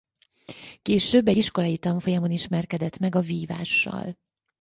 Később egy iskolai tanfolyamon ismerkedett meg a vívással.